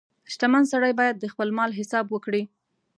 • شتمن سړی باید د خپل مال حساب وکړي.